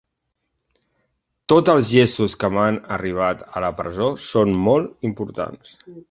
Tots els gestos que m’han arribat a la presó són molt importants.